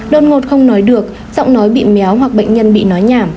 đơn ngột không nói được giọng nói bị méo hoặc bệnh nhân bị nói nhảm